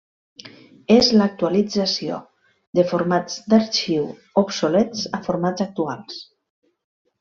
És l'actualització de formats d'arxiu obsolets a formats actuals.